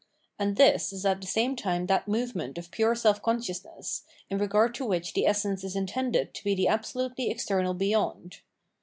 And this is at the same time that movement of pure self consciousness, in regard to which the essence is intended to be the absolutely exter nal beyond.